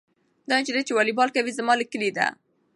دا نجلۍ چې والیبال کوي زما له کلي ده.